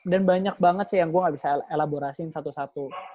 dan banyak banget sih yang gua gak bisa elaborasi satu satu